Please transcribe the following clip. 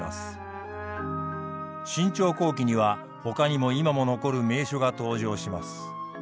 「信長公記」にはほかにも今も残る名所が登場します。